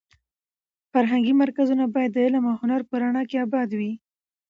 فرهنګي مرکزونه باید د علم او هنر په رڼا اباد وي.